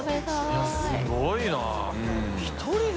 いやすごいな。